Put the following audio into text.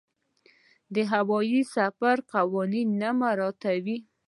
د هوايي سفر قوانین نه مراعاتوي.